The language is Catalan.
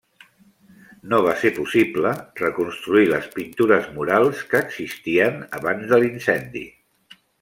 No va ser possible reconstruir les pintures murals que existien abans de l'incendi.